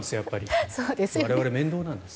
我々、面倒なんです。